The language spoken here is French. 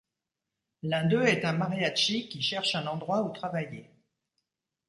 L'un d'eux est un mariachi qui cherche un endroit où travailler.